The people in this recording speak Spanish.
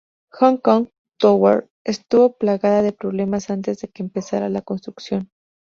Hancock Tower estuvo plagada de problemas antes de que empezara la construcción.